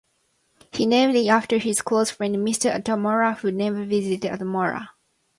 He named it after his close friend Mr. Atmore, who never visited Atmore.